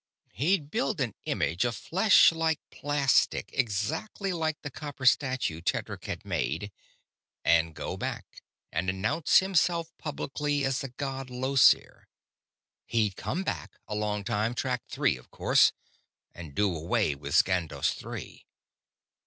_ _He'd build an image of flesh like plastic exactly like the copper statue Tedric had made, and go back and announce himself publicly as the god Llosir. He'd come back along Time Track Three, of course and do away with Skandos Three.